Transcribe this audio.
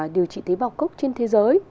điều trị tế bào gốc trên thế giới